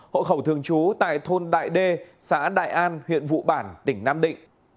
hộ khẩu thường trú tại thôn đại đê xã đại an huyện vụ bản tỉnh nam định